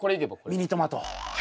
ミニトマト。